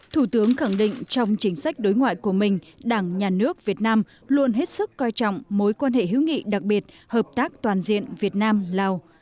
thủ tướng khẳng định trong chính sách đối ngoại của mình đảng nhà nước việt nam luôn hết sức coi trọng mối quan hệ hữu nghị đặc biệt hợp tác toàn diện việt nam lào